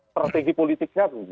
strategi politiknya tuh